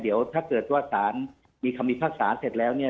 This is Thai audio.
เดี๋ยวถ้าเกิดว่าสารมีคำพิพากษาเสร็จแล้วเนี่ย